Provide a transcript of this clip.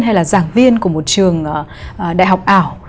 hay là giảng viên của một trường đại học ảo